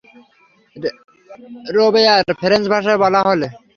Robert French ভাষায় কথা বলে।